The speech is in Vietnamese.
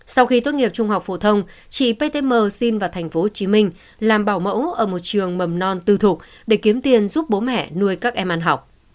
sau khi tốt nghiệp trung học phổ thông chị ptm xin vào tp hcm làm bảo mẫu ở một trường mầm non tư thục để kiếm tiền giúp bố mẹ nuôi các em ăn học